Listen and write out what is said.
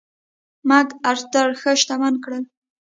مک ارتر ښه شتمن کړل.